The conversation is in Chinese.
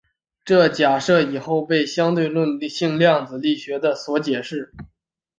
这假设以后能被相对论性量子力学所解释。